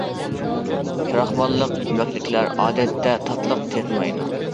كراخماللىق يېمەكلىكلەر ئادەتتە تاتلىق تېتىمايدۇ .